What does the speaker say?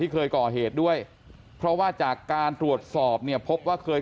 เคยก่อเหตุด้วยเพราะว่าจากการตรวจสอบเนี่ยพบว่าเคย